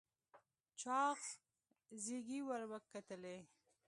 چاغ زيږې ور وکتلې.